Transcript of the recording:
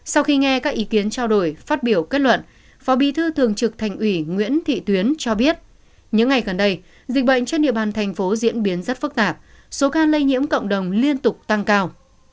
sau khi nghe các ý kiến trao đổi phát biểu kết luận phó bí thư thường trực thành ủy nguyễn thị tuyến cho biết những ngày gần đây dịch bệnh trên địa bàn thành phố diễn biến rất phức tạp số ca lây nhiễm cộng đồng liên tục tăng cao